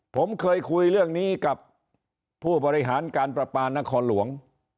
ผมเคยคุยเรื่องนี้กับผู้บริหารการประปานครหลวง